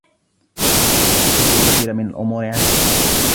اكتشفت الكثير من الأمور عنه.